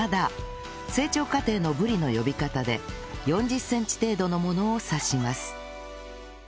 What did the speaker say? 成長過程のブリの呼び方で４０センチ程度のものを指します